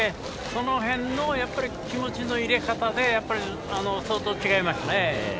その辺の気持ちの入れ方で相当違いますね。